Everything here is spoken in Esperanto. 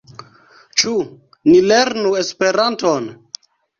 Ĉu ni lernu Esperanton?